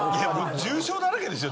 重症だらけですよ。